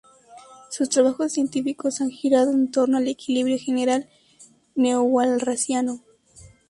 Sus trabajos científicos han girado en torno al equilibrio general neo-walrasiano.